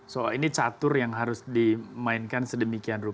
so ini catur yang harus dimainkan sedemikian rupa